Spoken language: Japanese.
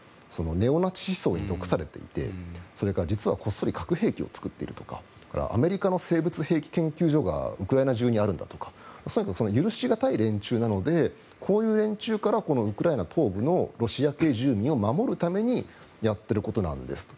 ネオナチ思想に毒されていてそれから実はこっそり核兵器を作っているとかそれからアメリカの生物兵器研究所がウクライナ中にあるんだとか許し難い連中なのでこういう連中からウクライナ東部のロシア系住民を守るためにやっていることなんですと。